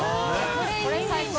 これ最高。